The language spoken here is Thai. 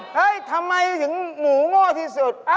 เฮ้ยทำไมถึงหมูโง่ที่สุด